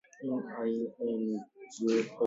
It should not be confused with nearby Bordesley Green.